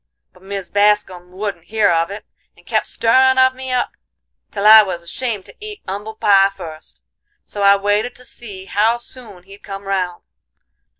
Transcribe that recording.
But Mis Bascum wouldn't hear of it, and kep' stirrin' of me up till I was ashamed to eat 'umble pie fust; so I waited to see how soon he'd come round.